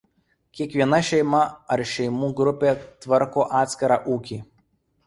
Kiekviena šeima ar šeimų grupė tvarko atskirą ūkį.